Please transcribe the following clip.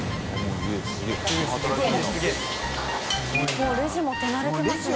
もうレジも手慣れてますね